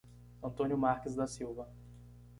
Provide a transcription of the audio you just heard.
Antônio Marques da Silva